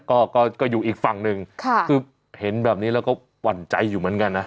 ก็ก็อยู่อีกฝั่งหนึ่งค่ะคือเห็นแบบนี้แล้วก็หวั่นใจอยู่เหมือนกันนะ